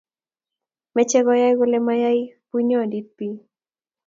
meche koyai kole mayai bunyondit biik